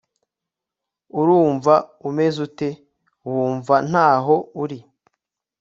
urumva umeze ute, wumva ntaho uri